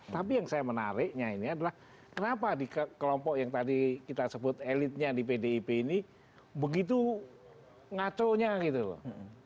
tapi yang saya menariknya ini adalah kenapa di kelompok yang tadi kita sebut elitnya di pdip ini begitu ngaconya gitu loh